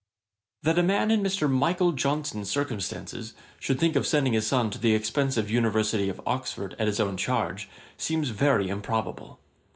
] That a man in Mr. Michael Johnson's circumstances should think of sending his son to the expensive University of Oxford, at his own charge, seems very improbable.